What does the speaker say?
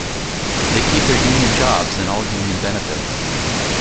They keep their union jobs and all union benefits.